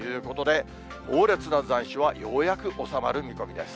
猛烈な残暑はようやく収まる見込みです。